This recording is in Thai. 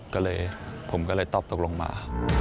ก็เลยผมก็เลยตอบตกลงมา